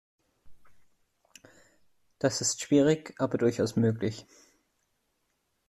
Das ist schwierig, aber durchaus möglich.